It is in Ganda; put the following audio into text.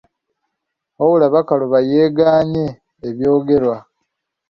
Wabula Bakaluba yeegaanye ebyogerwa.